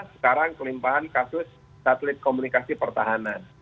sekarang kelimpahan kasus satelit komunikasi pertahanan